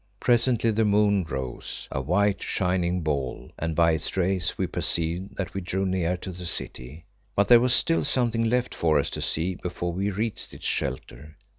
Presently the moon rose, a white, shining ball, and by its rays we perceived that we drew near to the city. But there was still something left for us to see before we reached its shelter.